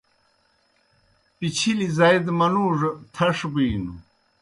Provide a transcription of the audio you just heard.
پِچِھلیْ زائی دہ منُوڙوْ تَھݜ بِینوْ۔